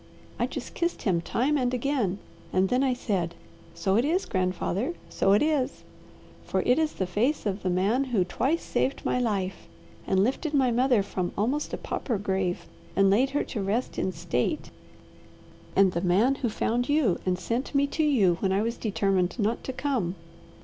I just kissed him time and again and then I said, 'So it is grandfather, so it is; for it is the face of the man who twice saved my life, and lifted my mother from almost a pauper grave and laid her to rest in state, and the man who found you, and sent me to you when I was determined not to come.'